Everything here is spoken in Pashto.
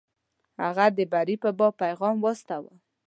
هغه د بري په باب پیغام واستاوه.